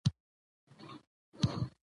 په افغانستان کې د ژبو تاریخ خورا اوږد دی.